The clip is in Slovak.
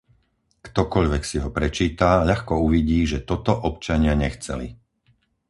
Ktokoľvek si ho prečíta, ľahko uvidí, že toto občania nechceli.